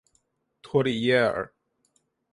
托里耶尔。